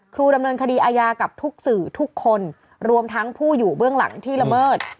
ครูดำเนินคดีอาญากับทุกสื่อทุกคนรวมทั้งผู้อยู่เบื้องหลังที่ละเมิด